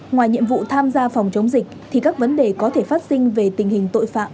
ngoài nhiệm vụ tham gia phòng chống dịch thì các vấn đề có thể phát sinh về tình hình tội phạm